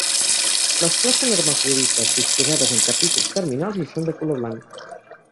Les flors són hermafrodites, disposades en capítols terminals i són de color blanc.